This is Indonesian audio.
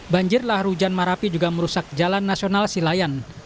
banjir lahar hujan marapi juga merusak jalan nasional silayan